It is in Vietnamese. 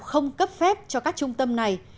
không cấp phép cho các trung tâm này